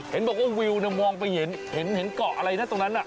เห็นบอกว่าวิวมองไปเห็นเกาะอะไรนะตรงนั้น